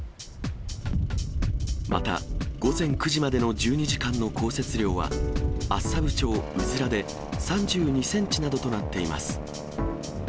また、午前９時までの１２時間の降雪量は、厚沢部町鶉で３２センチなどとなっています。